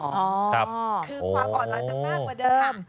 คือความอ่อนล้าจะมากกว่าเดิม